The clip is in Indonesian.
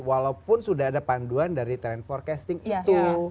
walaupun sudah ada panduan dari trend forecasting itu